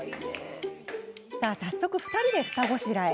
早速、２人で下ごしらえ。